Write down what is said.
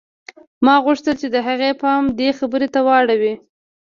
ما غوښتل چې د هغې پام دې خبرې ته واوړي